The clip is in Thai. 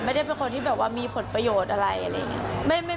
ไม่ได้เป็นคนที่มีผลประโยชน์อะไร